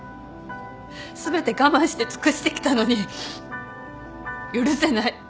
全て我慢して尽くしてきたのに許せない。